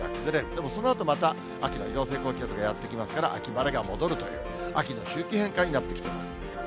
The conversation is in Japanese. でもそのあとまた秋の移動性高気圧がやって来ますから、秋晴れが戻るという、秋の周期変化になってきています。